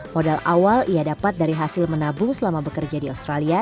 modal awal ia dapat dari hasil menabung selama bekerja di australia